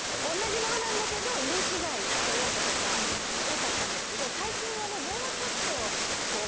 同じものなんだけど。とか多かったんですけど最近はねもうちょっと。